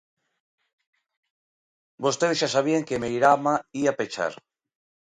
Vostedes xa sabían que Meirama ía pechar.